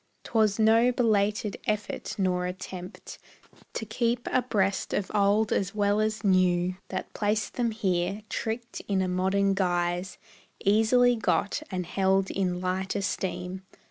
'T was no belated effort nor attempt To keep abreast with old as well as new That placed them here, tricked in a modern guise, Easily got, and held in light esteem.